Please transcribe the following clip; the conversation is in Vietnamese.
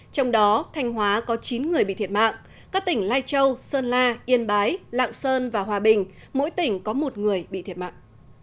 trong đó thanh hóa có chín người bị thiệt mạng các tỉnh lai châu sơn la yên bái lạng sơn và hòa bình mỗi tỉnh có một người bị thiệt mạng